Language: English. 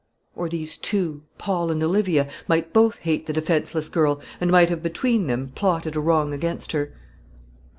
Or these two, Paul and Olivia, might both hate the defenceless girl, and might have between them plotted a wrong against her.